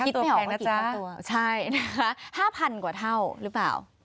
คิดไม่ออกว่ากี่ตัวใช่นะคะห้าพันกว่าเท่าหรือเปล่า